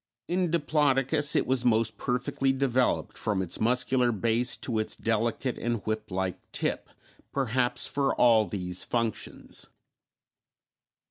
In Diplodocus it was most perfectly developed from its muscular base to its delicate and whip like tip, perhaps for all these functions.